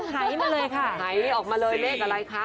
หายออกมาเลยเลขอะไรคะ